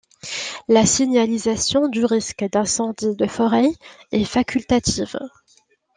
La signalisation du risque d'incendie de forêt est facultative.